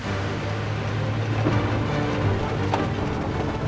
saya akan menang